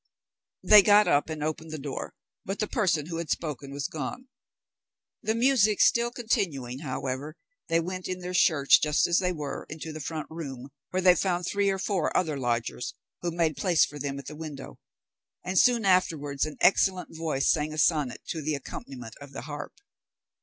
They got up and opened the door, but the person who had spoken was gone. The music still continuing, however, they went in their shirts, just as they were, into the front room, where they found three or four other lodgers, who made place for them at the window; and soon afterwards an excellent voice sang a sonnet to the accompaniment of the harp.